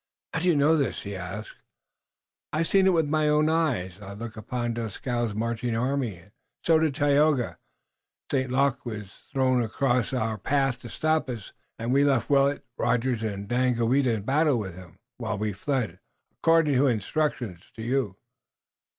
"How do you know this?" he asked. "I have seen it with my own eyes. I looked upon Dieskau's marching army, and so did Tayoga. St. Luc was thrown across our path to stop us, and we left Willet, Rogers and Daganoweda in battle with him, while we fled, according to instructions, to you."